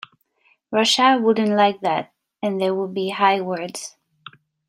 Russia wouldn’t like that, and there would be high words.